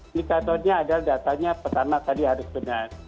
indikatornya adalah datanya pertama tadi harus benar